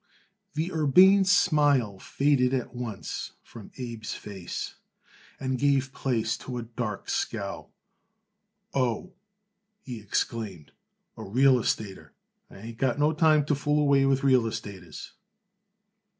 The urbane smile faded at once from Abe's face and gave place to a dark scowl. "Oh!" he exclaimed, "a real estater. I ain't got no time to fool away with real estaters."